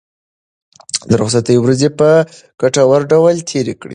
د رخصتۍ ورځې په ګټور ډول تېرې کړئ.